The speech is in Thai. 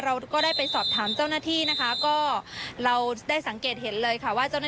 เราก็ได้ไปสอบถามเจ้าหน้าที่นะคะก็เราได้สังเกตเห็นเลยค่ะ